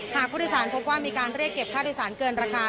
หากผู้โดยสารพบว่ามีการเรียกเก็บค่าโดยสารเกินราคา